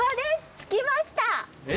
着きました。え？